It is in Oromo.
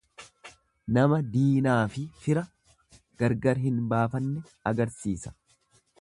Nama diinaafi fira gargar hin baafanne agarsiisa.